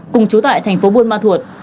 cùng chú tại tp bun ban thuật